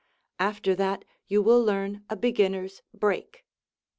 After that you will learn a beginner's "break."